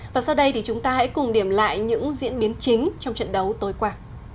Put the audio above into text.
và sau đây thì chúng ta hãy cùng điểm lại những diễn biến chính trong trận đấu tối qua